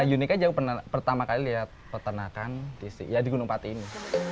uniknya jauh pertama kali lihat peternakan di gunung pati ini